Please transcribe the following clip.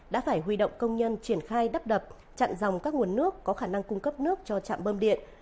đã phải huy động công nhân triển khai đắp đập chặn dòng các nguồn nước có khả năng cung cấp nước cho trạm bơm điện